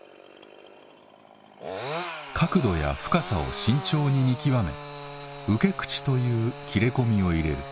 角度や深さを慎重に見極め「受け口」という切れ込みを入れる。